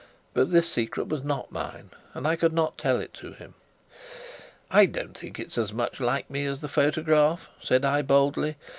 But this secret was not mine, and I could not tell it to him. "I don't think it's so much like me as the photograph," said I boldly.